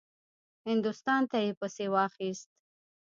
هندوستان ته یې پسې واخیست.